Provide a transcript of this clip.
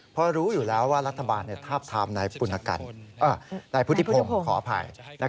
เพราะรู้อยู่แล้วว่ารัฐบาลทาบทามนายพุทธิพงศ์ขออภัย